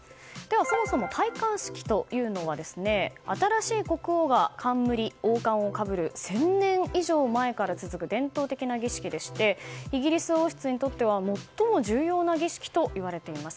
そもそも戴冠式というのは新しい国王が冠、王冠をかぶる１０００年以上前から続く伝統的な儀式でイギリス王室にとっては最も重要な儀式といわれています。